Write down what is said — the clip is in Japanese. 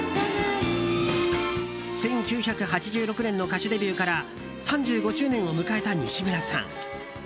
１９８６年の歌手デビューから３５周年を迎えた西村さん。